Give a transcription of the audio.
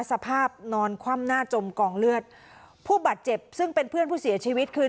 สภาพนอนคว่ำหน้าจมกองเลือดผู้บาดเจ็บซึ่งเป็นเพื่อนผู้เสียชีวิตคือ